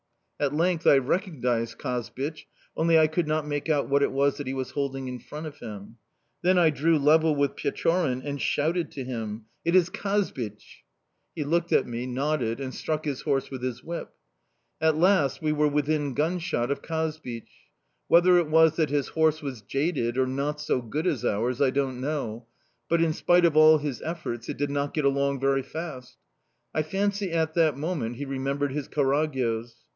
At length I recognised Kazbich, only I could not make out what it was that he was holding in front of him. "Then I drew level with Pechorin and shouted to him: "'It is Kazbich!' "He looked at me, nodded, and struck his horse with his whip. "At last we were within gunshot of Kazbich. Whether it was that his horse was jaded or not so good as ours, I don't know, but, in spite of all his efforts, it did not get along very fast. I fancy at that moment he remembered his Karagyoz!